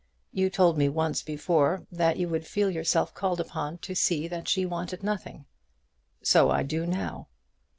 You told me once before that you would feel yourself called upon to see that she wanted nothing." "So I do now."